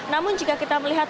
namun jika kita melihat